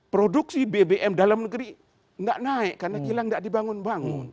produksi bbm dalam negeri tidak naik karena kilang tidak dibangun bangun